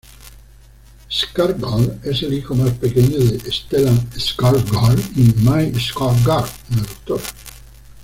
Skarsgård es el hijo más pequeño de Stellan Skarsgård y My Skarsgård, una doctora.